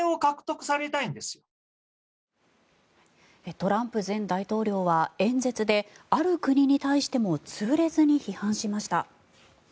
トランプ前大統領は演説である国に対しても痛烈に批判しました。